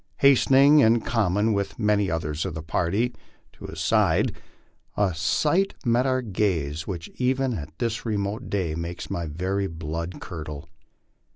Hastening, in common with many others of the party, to his side, a sight met our gaze which even at this remote day makes my very blood curdle.